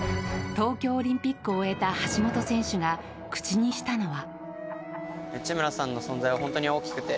東京オリンピックを終えた橋本選手が口にしたのは。